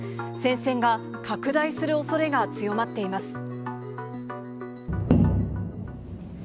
戦線が拡大するおそれが強まっています。